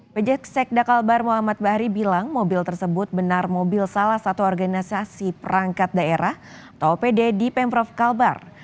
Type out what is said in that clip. pejak sekda kalbar muhammad bahri bilang mobil tersebut benar mobil salah satu organisasi perangkat daerah atau opd di pemprov kalbar